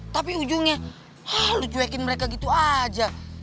tapi ujungnya lo cuekin mereka gitu aja